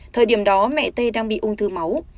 thời điểm đó mẹ tê đang bị ung thư máu